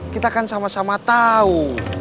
kita kan sama sama tahu